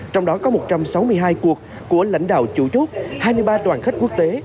trong đó có một trăm sáu mươi hai cuộc của lãnh đạo chủ chốt hai mươi ba đoàn khách quốc tế